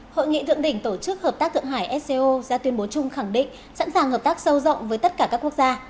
hội nghị thượng đỉnh tổ chức hợp tác thượng hải sco ra tuyên bố chung khẳng định sẵn sàng hợp tác sâu rộng với tất cả các quốc gia